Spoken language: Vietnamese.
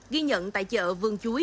ghi nhận tại chợ vương chú